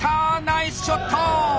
ナイスショット！